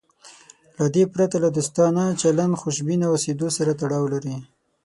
له دې پرته له دوستانه چلند خوشبینه اوسېدو سره تړاو لري.